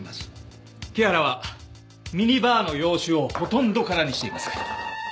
木原はミニバーの洋酒をほとんど空にしています。